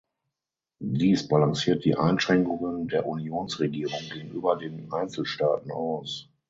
Dies balanciert die Einschränkungen der Unionsregierung gegenüber den Einzelstaaten aus.